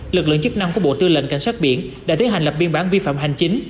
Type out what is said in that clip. lực lượng chức năng của bộ tư lệnh cảnh sát biển đã tiến hành lập biên bản vi phạm hành chính